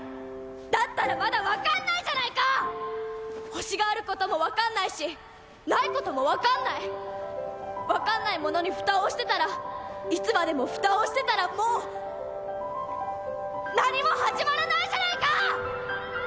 だったらまだ分かんないじゃないか星があることも分かんないしないことも分かんない分かんないものにフタをしてたらいつまでもフタをしてたらもう何も始まらないじゃないか！